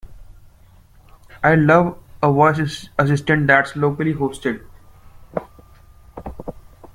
I'd love a voice assistant that's locally hosted.